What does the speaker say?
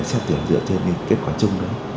xét tuyển dựa trên kết quả chung đấy